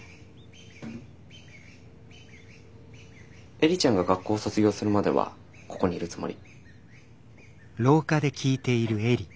映里ちゃんが学校卒業するまではここにいるつもり。